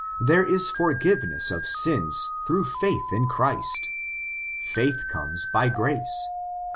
There is forgiveness of sins through faith in Christ. Faith comes '' by grace.""